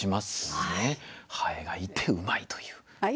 蠅がいてうまいという。